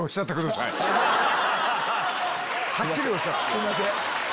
すいません。